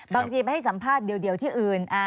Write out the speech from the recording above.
บางทีไปให้สัมภาษณ์เดียวที่อื่น